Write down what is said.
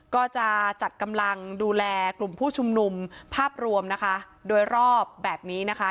ก็จะจัดกำลังดูแลกลุ่มผู้ชุมนุมภาพรวมนะคะโดยรอบแบบนี้นะคะ